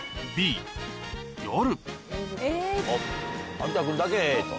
有田君だけＡと。